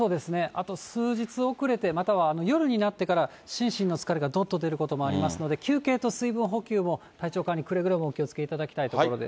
あと数日遅れて、または夜になってから、心身の疲れが、どっと出ることもありますので、休憩と水分補給を、体調管理、くれぐれもお気をつけいただきたいところです。